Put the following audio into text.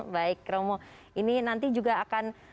baik romo ini nanti juga akan